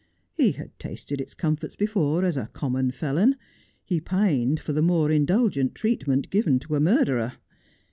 He had tasted its comforts before as a common felon ; he pined for the more in dulgent treatment given to a murderer.